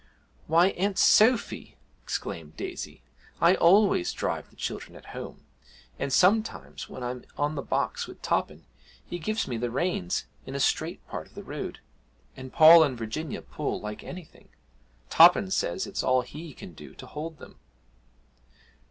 'Why, Aunt Sophy!' exclaimed Daisy, 'I always drive the children at home; and sometimes when I'm on the box with Toppin, he gives me the reins in a straight part of the road, and Paul and Virginia pull like anything Toppin says it's all he can do to hold them.'